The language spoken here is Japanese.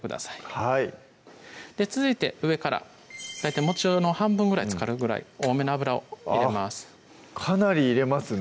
はい続いて上から大体の半分ぐらいつかるぐらい多めの油を入れますかなり入れますね